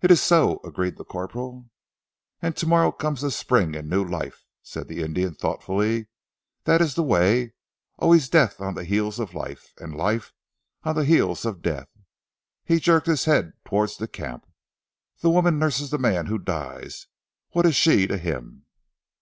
"It is so!" agreed the corporal. "And tomorrow comes the spring and new life," said the Indian thoughtfully. "That is the way, always death on the heels of life, and life on the heels of death." He jerked his head towards the camp. "The woman nurses the man who dies, what is she to him?"